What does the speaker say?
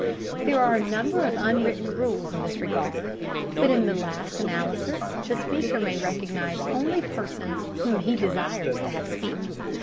There are a number of unwritten rules in this regard, but in the last analysis the Speaker may recognize only persons whom he desires to have speak.